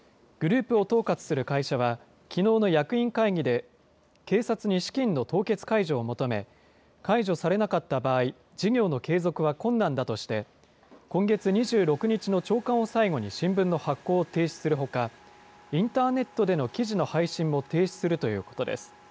グループを統括する会社は、きのうの役員会議で、警察に資金の凍結解除を求め、解除されなかった場合、事業の継続は困難だとして、今月２６日の朝刊を最後に新聞の発行を停止するほか、インターネットでの記事の配信も停止するということです。